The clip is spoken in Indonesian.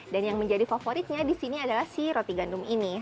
dan yang menjadi favoritnya disini adalah si roti gandum ini